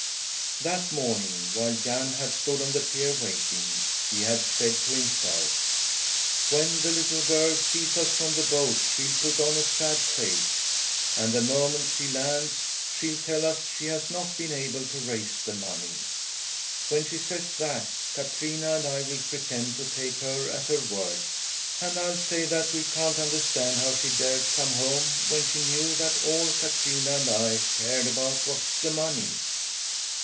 That morning while Jan had stood on the pier waiting, he had said to himself: "When the little girl sees us from the boat she'll put on a sad face, and the moment she lands she'll tell us she has not been able to raise the money. When she says that Katrina and I will pretend to take her at her word and I'll say that can't understand how she dared come home when she knew that all Katrina and I cared about was the money."